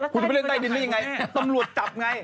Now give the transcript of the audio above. คุณจะไปเล่นใต้ดินได้ยังไงตำรวจจับไง